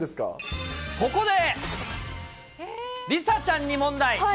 ここで、梨紗ちゃんに問題。